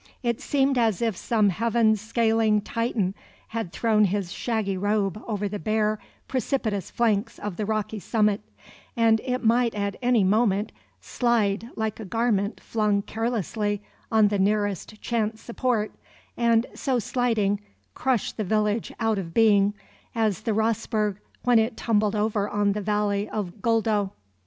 It seemed as if some heaven scaling Titan had thrown his shaggy robe over the bare, precipitous flanks of the rocky summit, and it might at any moment slide like a garment flung carelessly on the nearest chance support, and, so sliding, crush the village out of being, as the Rossberg when it tumbled over on the valley of Goldau.